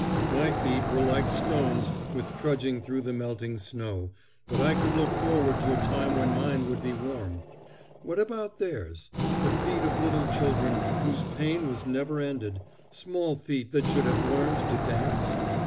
My feet were like stones with trudging through the melting snow, but I could look forward to a time when mine would be warm. What about theirs, the feet of little children whose pain was never ended—small feet that should have learned to dance?